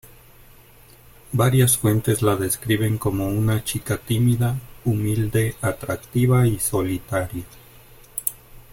Varias fuentes la describen como una chica tímida, humilde, atractiva y solitaria.